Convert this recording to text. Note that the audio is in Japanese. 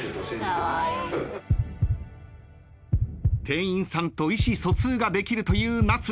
店員さんと意思疎通ができるというナツ。